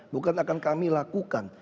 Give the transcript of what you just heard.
bukan akan kami lakukan